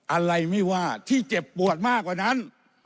อะไรไม่ว่าที่เจ็บปวดมากกว่านั้น